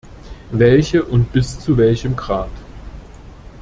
Welche und bis zu welchem Grad?